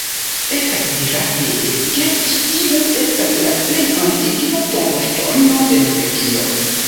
Estas dirate, ke ĉi tiu estas la plej antikva tomboŝtono en Britio.